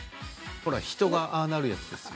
ほら人が、ああなるやつですよ。